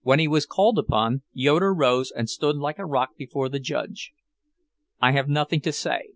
When he was called upon, Yoeder rose and stood like a rock before the judge. "I have nothing to say.